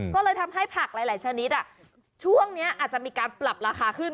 ก็เลยทำให้ผักหลายชนิดช่วงนี้อาจจะมีการปรับราคาขึ้น